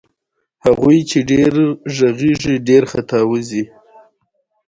دو تنه پولیس افسران د پېښې ځای ته رسېږي.